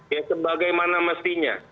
ya sebagaimana mestinya